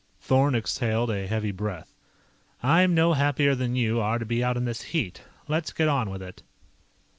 Thorn exhaled a heavy breath. "I'm no happier than you are to be out in this heat. Let's get on with it."